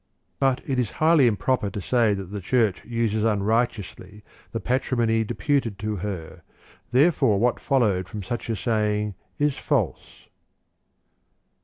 '* But it is highly improper to say that the Church uses unrighteously the patri mony deputed to her, therefore what followed from such a saying is false.